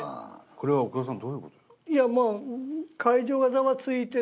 これは奥田さんどういう事ですか？